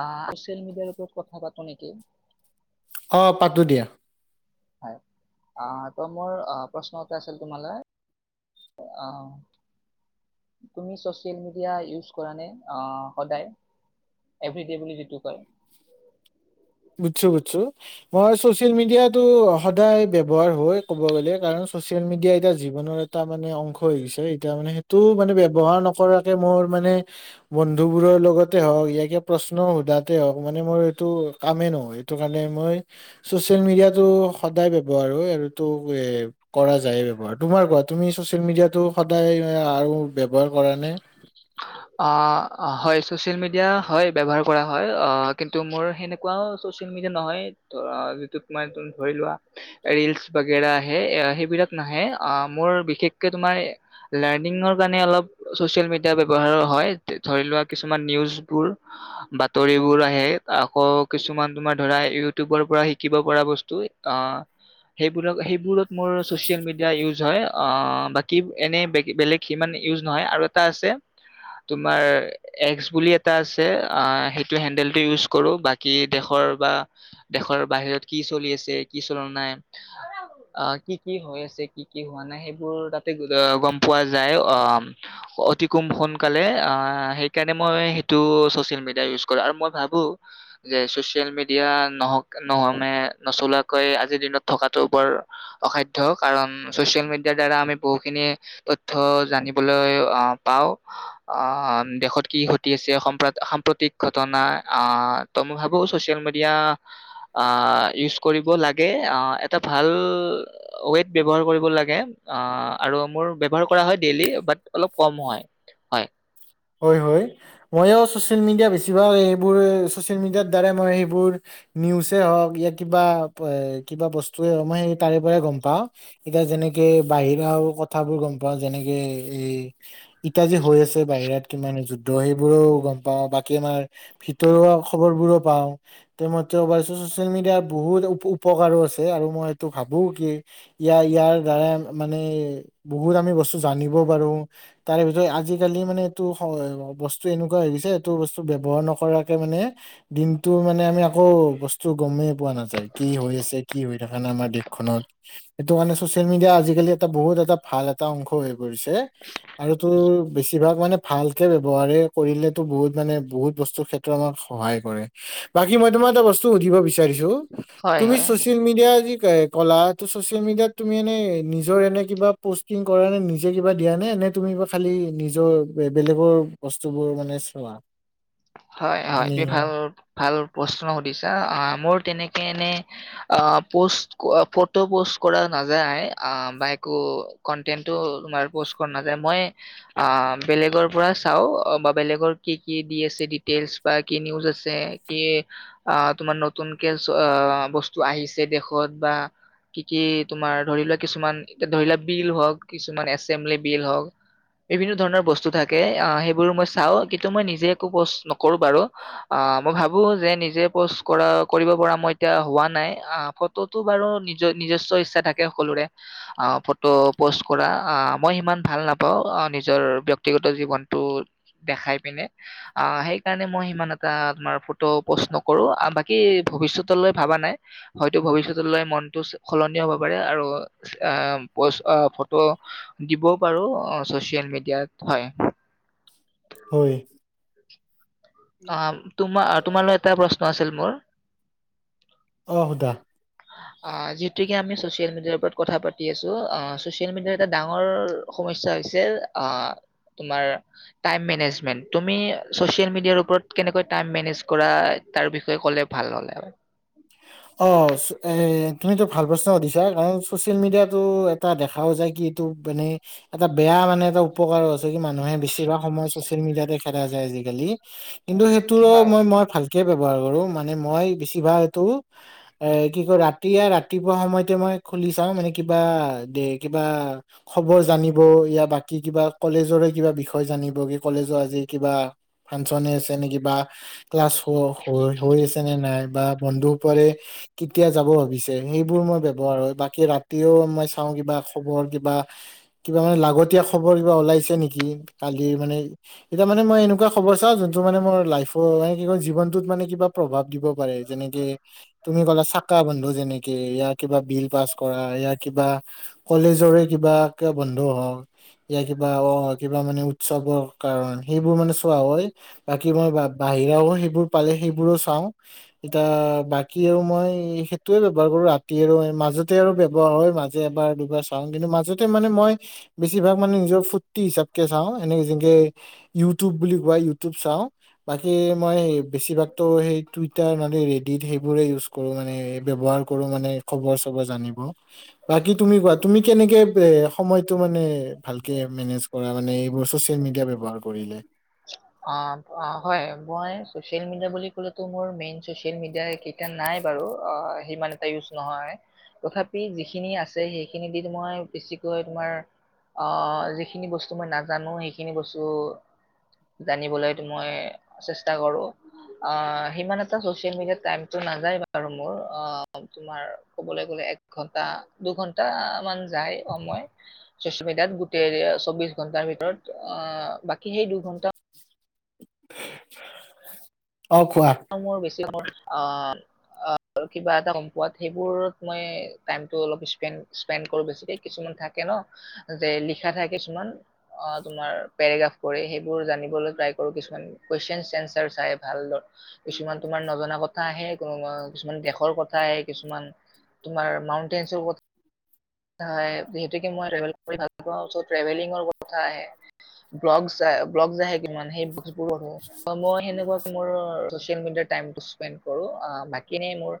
অ social মিডিয়াৰ ওপৰত কথা পাতো নেকি? অ', পাতো দিয়া। হয়, অ', ত‌ আ, মোৰ প্ৰশ্ন এটা আছিল তোমালৈ আ, তুমি ছচিয়েল মিডিয়া ইউজ কৰা নে? আ সদায় এভৰিডে বুলি যিটো কয়? বুছো, বুছো মই ছচিয়েল মিডিয়াটো সদায় ব্যৱহাৰ হয়, ক'ব গ'লে কাৰণ ছচিয়েল মিডিয়া এতিয়া জীৱনৰ এটা মানে অংশ হৈ গৈছে, এতিয়া মানে সেইটো মানে ব্যৱহাৰ নকৰাকে মোৰ মানে বন্ধুবোৰৰ লগতে হওঁক, ইয়াকে প্ৰশ্ন সোধাতে হওঁক মানে মোৰ এটো কামেই নহয়, এইটো কাৰণে মই ছচিয়েল মিডিয়াটো সদায় ব্যৱহাৰ হয়, আৰুতো এই কৰা যায় ব্যৱহাৰ তোমাৰ কোৱা, তুমি ছচিয়েল মিডিয়াটো সদায় আৰু ব্যৱহাৰ কৰা নে? অ', হয়, ছচিয়েল মিডিয়া হয়, ব্যৱহাৰ কৰা হয়, অ', কিন্তু মোৰ সেনেকুৱাও ছচিয়েল মিডিয়া নহয়, অ', যিটো তোমাৰ ধৰি লোৱা ৰিলচ বগেৰা আহে, সেইবিলাক নাহে আ, মোৰ বিশেষকে তোমাৰ লাৰ্ণিঙৰ কাৰণে অলপ ছচিয়েল মিডিয়া ব্যৱ ব্যৱহাৰ হয়, ধৰি লোৱা কিছুমান নিউজবোৰ, বাতৰিবোৰ আহে, আকৌ কিছুমান তোমাৰ ধৰা ইউটিউবৰ পৰা শিকিব পৰা বস্তু আ, সেইবোৰ, সেইবোৰত মোৰ ছ'চিয়েল মিডিয়া ইউজ হয়, অ', বাকী এনে বেলেগ সিমান ইউজ নহয়, আৰু এটা আছে। তোমাৰ একস বুলি এটা আছে সেইটো হেণ্ডেলটো ইউজ কৰোঁ বাকী দেশৰ বা দেশৰ বাহিৰত কি চলি আছে কি চল নাই কি কি হৈ আছে কি কি হোৱা নাই সেইবোৰ তাতে গম পোৱা যায় অ', অতি কুম সোনকালে সেইকাৰণে মই সেইটো ছচিয়েল মিডিয়া ইউজ কৰো আৰু মই ভাবো যে, ছচিয়েল মিডিয়া নহক নহ মে নচলোৱাকৈ আজিৰ দিনত থকাটো বৰ অসাধ্য কাৰণ চচিয়েল মিডিয়াৰ দ্বাৰা আমি বহুখিনি তথ্য জানিবলৈ আ পাওঁ দেশত আ, কি ঘটি আছে সাম সাম্প্ৰতিক আ, ঘটনা তো মই ভাবোঁ ছচিয়েল মিডিয়া আ, ইউজ কৰিব লাগে, আ, এটা ভাল ৱেড ব্যৱহাৰ কৰিব লাগে আ, আৰু মোৰ ব্যৱহাৰ কৰা হয়, ডেইলি বাট অলপ কম হয়, হয়। হয়, হয় ময়ো ছচিয়েল মিডিয়া বেছিভাগ এইবোৰ ছচিয়েল মিডিয়াৰ দ্বাৰাই মই সেইবোৰ নিউজেই হওঁক ই কিবা কিবা বস্তুৱে হ মই সেই তাৰে পৰাই গম পাওঁ, এতিয়া যেনেকে বাহিৰা আৰু কথাবোৰ গম পাওঁ যেনেকে এই ইতা যে, আছে বাহিৰাত কিমান যুদ্ধ সেইবোৰো গম পাওঁ বাকী আমাৰ ভিতৰুৱা খবৰবোৰো পাওঁ তে মাৰ চচিয়েল মিডিয়াৰ বহুত উপকাৰো আছে আৰু মই সটো ভাবো কি ইয়াৰ ইয়াৰ দ্বাৰা মানে বহুত আমি বস্তু জানিব পাৰো তাৰে ভিতৰত আজিকালি মানে বস্তু এনেকুৱা হৈ গৈছে এইটো বস্তু ব্যৱহাৰ নকৰাকে মানে দিনটো মানে আমি আকৌ বস্তু গমেই পোৱা নাযায় কি হৈ আছে কি হৈ থাকা নাই আমাৰ দেশখনত, সেইটো কাৰণে চচিয়েল মিডিয়া আজিকালি এটা বহুত এটা ভাল এটা অংশ হৈ [unintelligible] আৰু তোৰ বেছিভাগ মানে ভালকে ব্যৱহাৰে কৰিলেতো বহুত মানে বহুত বস্তুৰ ক্ষেত্ৰত আমাক সহায় কৰে বাকী মই তোমাৰ এটা বস্তু সুধিব বি তে দিছো হয় তুমি হয় চচিয়েল মিডিয়া আজি কলাটো চচিয়েল মিডিয়াত তুমি এনে নিজৰ এনে কিবা পষ্টিং কৰা নে? নিজে কিবা দিয়া নে? এনে তুমি বা খালি নিজৰ বেলেগৰ বস্তুবোৰ মানে চোৱা হয়, হয় মানে তুমি ভাল ভাল প্ৰশ্ন সুধিছা আ, মোৰ তেনে এনে আ পোষ্ট ফটো পষ্ট কৰা নাযায় আহ, বা একো কনটেনটো তোমাৰমাৰ পষ্ট কৰা নাযায় মই আ, বেলেগৰ পৰা চাও বা বেলেগৰ কি কি দি আছে গেইলছ বা কি নিউজ আছে, কি তোমাৰ নতুন কে বস্তু আহিছে দেশত বা কি কি তোমাৰ ধৰি লোৱা কিছুমান এ, ধৰিলোৱা বিল হওঁক কিছুমান এচেম্বলি বিল হওঁক বিভিন্ন ধৰণৰ বস্তু থাকে সেইবোৰ মই চাও কিন্তু মই নিজে একো পোষ্ট ন' কৰো বাৰু আহ, মই ভাবো যে নিজে পষ্ট কৰা কৰিব পৰা মই এতিয়া হোৱা নাই ফটোটো বাৰু নিজ নিজস্ব ইচ্ছা থাকে সকলোৰে ফটো পোষ্ট কৰা আ, মই সিমান ভাল নাপাওঁ নিজৰ ব্যক্তিগত জীৱনটো দেখাই পিনে আহ সেই কাৰণে মই সিমান এটা তোমাৰ ফটো প'ষ্ট নকৰো বাকী ভৱিষ্যতলৈ ভাবা নাই হয়তো ভৱিষ্যতলৈ মনটো সলনি হ'ব পাৰে আৰু আ, পষ্ট আহ ফটো দিবও পাৰো চচিয়েল মিডিয়াত হয়। হয়। অ', তোমাৰ তোমালৈ এটা প্ৰশ্ন ক আছিল মোৰ। অহ, সোধা আ, যিহেতুকে আমি চচিয়েল মিডিয়াৰ ওপৰত কথা পাতি আছো আ, এটা ডাঙৰ সমস্যা হৈছে আ, তোমাৰ টাইম মেনেজমেন্ট। তুমি চচিয়েল মিডিয়াৰ ওপৰত কেনেকৈ টাইম মেনেজ কৰা তাৰ বিষয়ে ভাল হ অচ। এ তুমিতো ভাল প্ৰশ্ন সুধিছ কাৰ চচিয়েল মিডিয়াতটো এটা দেখাও যায় কি এইটো মানে এটা বেয়া মানে এটা উপকাৰ আ মানুহে বেছিভাগ সময় চচিয়েল মিডিয়াতে খেলা যায় আজিকালি কিন্তু সেইটোৰো হয়। মই, মই ভাল এক ব্যৱহাৰ কৰো মানে মই বেছিভাগ এইটো এ কি কয় ৰাতিয়া ৰাতিপুৱা সময়তে মই খুলি চাওঁ মানে কিবা দে কিবা খবৰ জানিব ইয়া বাকী কিবা কলেজৰে কিবা বিষয় জানিব কি কলেজৰ আজি কিবা ফাংচনে আছে নে কিবা ক্লাছ হৈ হৈ আছে নে নাই বা পন্ [unintelligible] এতিয়া যাব ভাবিছে সেইবোৰ মই ব্ৱহাৰ হয় বাকী ৰাতিও মই চাওঁ কিবা খবৰ কিবা কিবা মানে লাগতিয়া খবৰ কিবা ওলাইছে নেকি কালিৰ মানে এতিয়া মানে মই এনেকুৱা খবৰ চাও যোনটো মানে মোৰ লাইফৰ হয় জীৱনটোত মানে কিবা প্ৰভাৱ দিব পাৰে। যেনেকে তুমি ক'লা চকা বন্ধ যেনেকে ইয়াৰ কিবা বিল পাছ কৰা ইয়াৰ কিবা কলেজৰে কিবা কিবা বন্ধ হওক ইয়া কিবা অ' কিবা মানে উৎসৱৰ কাৰণ সেইবোৰ মানে চোৱা হয় বাকী মই বাহিৰাও সেইবোৰ পালে সেইবোৰো চাও এটা বাকী আৰু মই সেইটোৱে ব্যৱহাৰ কৰো ৰাতি আৰু মাজতে আৰু ব্যৱহাৰ হয় মাজে এবাৰ দুবাৰ চাওঁ কিন্তু মাজতে মানে মই বেছিভাগ মানে নিজৰ ফূৰ্তি হিচাপকে চাওঁ, এনেক যেনেকে ইউটিউব বুলি কোৱা ইউটিউব চাওঁ বাকী মই বেছিভাগ সেই টুইটাৰ ন'হলে ৰিল সেইবোৰে ইউচ কৰো মানে ব্যৱহাৰ কৰোঁ মানে জানিব বাকী তুমি কোৱা তুমি কেনেকে সময়টো মানে ভালকে মেনেজ কৰা মানে চচিয়েল মেডিয়া ব্যৱহাৰ কৰিলে? অ' হয় অ' মই চচিয়েল মিডিয়া বুলি কলে মোৰ মেইন চচিয়েল মিডিয়া নাই বাৰু সিমান এটা ইউজ নহয় তথাপি যিখিনি আছে সেইখিনি দি মই বেছিকৈ তোমাৰ আহ যিখিনি বস্তু মই নাজানো সেইখিনি বস্তু জানিবলৈ মই চেষ্টা কৰো আহ সিমান এটা চচিয়েল মিডিয়াত টাইমটো নাযায় বাৰু মোৰ অ' তোমাৰ কবলৈ গলে এক ঘন্টা দুঘন্টা মান যায় সময় চচিয়েল মিডিয়াত গোটেই চৌবিশ ঘন্টাৰ ভিতৰত আহ বাকি সেই দুঘন্টা [unintelligible] মোৰ বেছি [inaudible] অ' অ' কিবা এটা গম পোৱাত সেইবোৰত মই টাইমটো অলপ স্পেন স্পেন কৰো বেছিকে কিছুমান থাকে ন যে লিখা থাকে কিছুমান অ' তোমাৰ পেৰেগ্ৰাফ কৰি সেইবোৰ জানিবলৈ ট্ৰাই কৰো কিছুমান কোৱেচন এনচাৰ চাই ভালদৰে। কিছুমান তোমাৰ নজনা কথা আহে কোনো কিছুমান দেশৰ কথা আহে, কিছুমান তোমাৰ মাউন্টেইনৰ কথা, হয় যিহেতু মই ট্ৰেভেল কৰি ভাল পাওঁ চো ট্ৰেভেলিংৰ কথাই আহে ব্লগচ‌ চাই ব্লগচ আহে [unintelligible] সেনেকুৱা মই চচিয়েল মিডিয়াৰ টাইমটো স্পেন কৰো আ বাকি মোৰ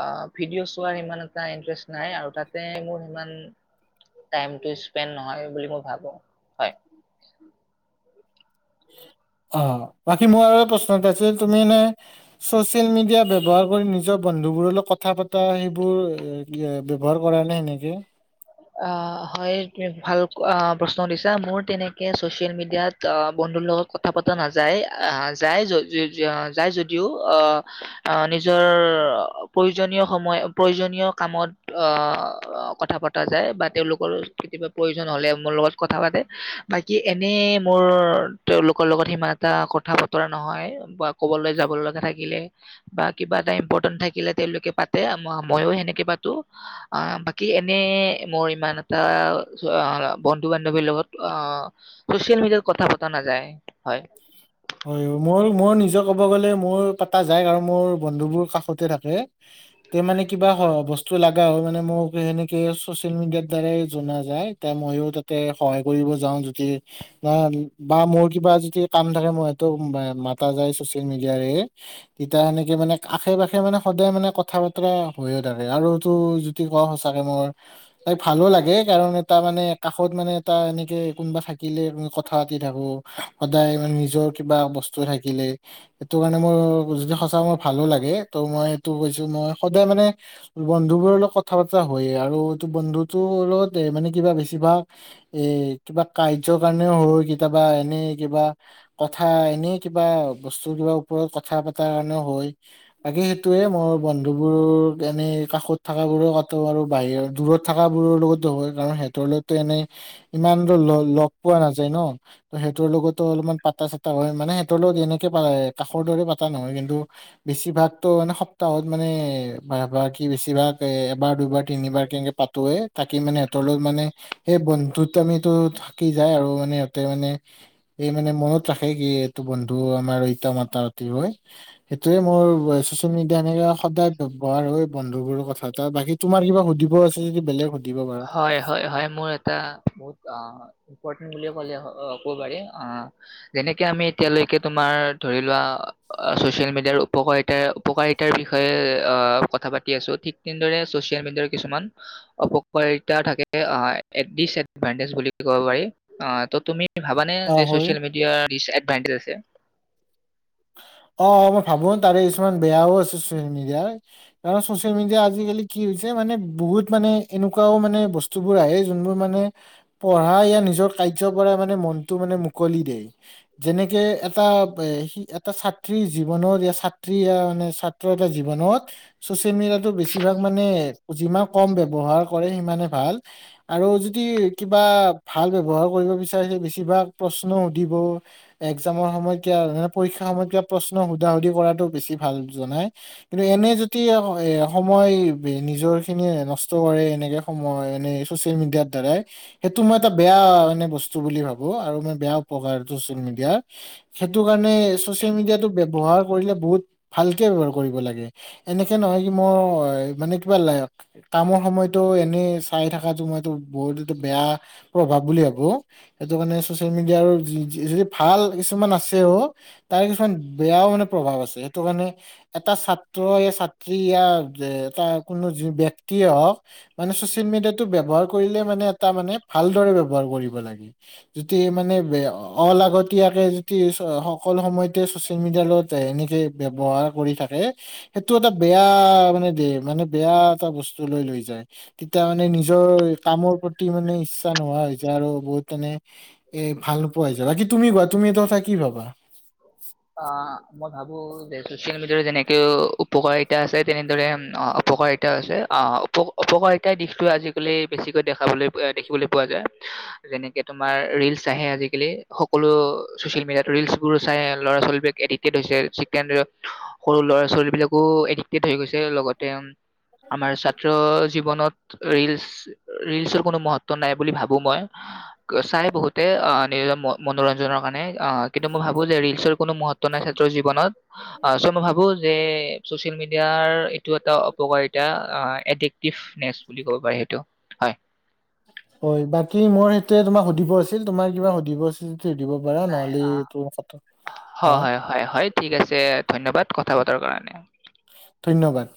আ ভিডিঅ' চোৱাৰ ইমান এটা ইণ্টাৰেষ্ট নাই আৰু তাতে মোৰ ইমান টাইমটো স্পেন নহয় বুলি মই ভাবো হয়। অ বাকী মোৰ আৰু এটা প্ৰশ্ন আছে তুমি এনেই চচিয়েল মিডিয়া ব্যৱহাৰ কৰি নিজৰ বন্ধু বোৰৰ লগত কথা পাতা সেইবোৰ কি-অ ব্যৱহাৰ কৰা নে এনেকে? আ হয়‌ [unintelligible] ভাল প্ৰশ্ন সুধিছা মোৰ তেনেকে চচিয়েল মিডিয়াত আ বন্ধুৰ লগত কথা পতা নাযায় যায় যায় য য যদিও আহ নিজৰ প্ৰয়োজনীয় সময় প্ৰয়োজনীয় কামত আ আ কথা পাতো পতা যায় বা তেওঁলোকৰ কেতিয়াবা প্ৰয়োজন হলে মোৰ লগত কথা পাতে, বাকী এনেই মোৰ তেওঁলোকৰ লগত সিমান এটা কথা বতৰা নহয় বা ক'বালৈ যাব লগা থাকিলে বা কিবা এটা ইম্পৰ্টেণ্ট থাকিলে তেওঁলোকে পাতে, ময়ো সেনেকে পাতো, আহ বাকি এনে [unintelligible] মোৰ ইমান এটা [unintelligible] বন্ধু বান্ধৱীৰ লগত অ চচিয়েল মিডিয়াত কথা পতা নাযায়, হয়। হয় মই-মই নিজে ক'ব গলে মোৰ পাতা যায় আৰু মোৰ বন্ধুবোৰ কাষতে থাকে, তে মানে কিবা বস্তু লাগা হয় মানে মোক সেনেকে চচিয়েল মিডিয়াৰ দ্বাৰাই জনা যায়, তে মইও তাতে সহায় কৰিব যাওঁ যদি বা-বা মোৰ কিবা যদি কাম থাকে মই টো মাতা যায় চচিয়েল মিডিয়াৰে তেতিয়া সেনেকে মানে আশে পাশে মানে সদায় মানে কথা বতৰা হৈয়ে থাকে আৰুটো যদি কওঁ সঁচাকে মোৰ ভালো লাগে কাৰণ এটা মানে কাষত মানে এটা এনেকে কোনোবা থাকিলে কথা পাতি থাকো সদায় মানে নিজৰ কিবা বস্তু থাকিলে সেইটো কাৰণে মই যদি সঁচা তমা ভালো লাগে, ত' মই এইটো কৈছো মই সদায় মানে বন্ধুবোৰৰ লগত কথা পতা হয়ে আৰু বন্ধুটোৰ লগত এ মানে কিবা বেছিভাগ এ কিবা কাৰ্যৰ কাৰণেও হৈ, কেতিয়াবা এনেই কিবা কথা, এনেই কিবা বস্ত টোৰ কিবা ওপৰত কাট কথা পাতাৰ কাৰণেও হয়, বাকী সেইটোয়ে মোৰ বন্ধুবোৰ এনেই কাষত থাকা বোৰো কাটো আৰু বাহিৰৰ দূৰত থাকা বোৰৰ লগতো হয়, কাৰণ সেহ তৰ লৈতো এনেই ইমানটো ল-ল-লগ পোৱা নাযায় ন। ত' সেইটোৰ লগতো পাতা চাতা হয়, মানে সিহঁতৰ লগত এনেকে পা, কাষৰ দৰে পাতা নহয় কিন্তু বেছিভাগতো মানে সপ্তাহত মানে [unintelligible] কি বেছিভাগ এ-এবাৰ, দুবাৰ, তিনিবাৰ কেনেকে পাতোয়ে তাকি মানে সিহঁতৰ লগত মানে সেই বন্ধুত্বামিটো থাকি যায় আৰু মানে সিহঁতে মানে এই মানে মনত ট্ৰাখে কি এইটো বন্ধু আমাৰ ইতা মাতা মাতি হয়, সেইটোয়ে মোৰ চচিয়েল মিডিয়া এনেকে সদায় ব্যৱহাৰ হয় বন্ধু বোৰৰ কথা এটা, বাকী তোমাৰ কিবা সুধিব আছে যদি বেলেগ সুধ হয়, হয়, হয়, মোৰ এটা বহুত অ', ইম্পৰ্টেণ্ট বুলি ক'লে হ, কব পাৰি অ', যেনেকে আমি এতিয়ালৈকে তোমাৰ ধৰি লোৱা ছ'চিয়েল মিডিয়াৰ উপকাৰিতা, উপকাৰিতাৰ বিষয়ে আহ কথা পাতি আছোঁ, ঠিক তেনেদৰে ছ'চিয়েল মিডিয়াৰ কিছুমান অপ [unintelligible] থাকে আ দীচএডভানতেজ বুলি ক'ব পাৰি, অ তুমি তুমি ভাবানে অ যে হয় ছ'চিয়েল মিডিয়াৰ দীচএডভা কাইন্তেদ আছে। অ', অ', মই ভাবোন। তাৰে কিছুমান বেয়াও আছে ছ'চিয়েল মিডিয়াৰ, কাৰণ ছ'চিয়েল মিডিয়া আজিকালি কি হৈছে, মানে বহুত মানে এনেকুৱাও মানে বস্তুবোৰ আহে যোনবোৰ মানে পঢ়া য়া নিজৰ কাৰ্য্য কৰা মানে মনটো মানে মুকলি দেয়। যেনেকে এটা এ শি এটা ছাত্ৰীৰ জীৱনত য়া ছাত্ৰী য়া মানে ছাত্ৰ এটাৰ জীৱনত ছ'চিয়েল মিডিয়াটো বেছিভাগ মানে যিমান কম ব্যৱহাৰ কৰে সিমানে ভাল, আৰু যদি কিবা ভাল ব্যৱহাৰ কৰিব বিচাৰে, বেছিভাগ প্ৰশ্ন সোধিব, এক্সামৰ সময়ত [unintelligible] প্ৰশ্ন সুধা সুধি কৰাটো বেছি ভাল জনাই, কিন্তু এনে যদি সময় নিজৰ খিনি নষ্ট কৰে সময়, এনে চচিয়েল মিডিয়াৰ দ্বাৰা সময় নষ্ট কৰা সেইটো মই এটা বেয়া এনে বস্তু বুলি ভাবো, আৰু মই বেয়া উপকাৰ চচিয়েল মিডিয়াৰ সেইটো কাৰণে। চচিয়েল মিডিয়াটো ব্যৱহাৰ কৰিলে বহুত ভালকে ব্যৱহাৰ কৰিব লাগে, এনেকে নহয় কি মই মানে কিবা কামৰ সময়টো এনেই। চাই থকাটো মই এইটো বহুত এইটো বেয়া প্ৰভাৱ বুলি ভাবো সেইটো মানে চচিয়েল মিডিয়াৰ ভাল কিছুমান আছেও। তাৰে কিছুমান বেয়াও মানে প্ৰভাৱ আছে সেইটো কাৰণে এটা ছাত্ৰ এ ছাত্ৰী য়া যে এটা কোনো ব্যক্তিয়ে হওক, মানে চচিয়েল মিডিয়াটো ব্যৱহাৰ কৰিলে মানে এটা মানে ভালদৰে ব্যৱহাৰ কৰিব লাগে। যদি মানে অলাগতীয়াকে যদি সকলো সময়তে চচিয়েল মিডিয়াৰ লগত এনেকে ব্যৱহাৰ কৰি থাকে সেইটো এটা বেয়া মানে দে মানে বেয়া এটা বস্তুলৈ লৈ যায়। তেতিয়া মানে নিজৰ কামৰ প্ৰতি মানে ইচ্ছা নোহোৱা হৈ যায় আৰু বহুত মানে এ ভাল নোপোৱা হৈ যায়। বাকী তুমি কোৱা। তুমি এটা কথা কি ভাবা? অ' মই ভাবো চচিয়েল মিডিয়াৰ যেনেকে উপকাৰিতা আছে তেনেদৰে উম অপকাৰিতাও আছে। অ' অপকাৰিতাৰ দিশটো আজিকালি বেছিকৈ দেখা দেখিবলৈ পোৱা যায়, যেনেকে তোমাৰ ৰিলছ আহে আজিকালি, সকলো চচিয়েল মিডিয়াত ৰিলছবোৰ চাই ল'ৰা-ছোৱালীবিলাক এডিক্টেড হৈছে [unintelligible] সৰু ল'ৰা-ছোৱালীবিলাকো এডিক্ট হৈছে। এডিক্ট হৈ গৈছে। লগতে উম্ আমাৰ ছাত্ৰ জীৱনত ৰিলছ। ৰিলছৰ কোনো মহত্ব নাই বুলি ভাবোঁ মই। চাই বহুতে অ' নিজৰ। মনোৰঞ্জনৰ কাৰণে অ' কিন্তু মই ভাবোঁ যে ৰিলছৰ। কোনো মহত্ব নাই ছাত্ৰৰ জীৱনত। আহ চো মই ভাবো যে যে ছ'চিয়েল মিডিয়াৰ এইটো এটা অপকাৰিতা। এডিক্টিভনেছ বুলি ক'ব পাৰি সেইটো। হয়। হয়। বাকী মই এতিয়া তোমাক সুধিব আছিল, তোমাৰ কিবা সুধিব আছিল? সুধিব পাৰা নাই নহ'লে অ'। এইটো কথা- অ হয়, হয়, হয়, হয়। ঠিক আছে। ধন্যবাদ কথা পাতাৰ কাৰণে। ধন্যবাদ।